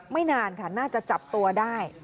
นานค่ะน่าจะจับตัวได้